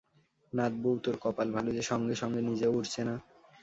নাতবউ, তোর কপাল ভালো যে সঙ্গে সঙ্গে ও নিজেও উড়ছে না।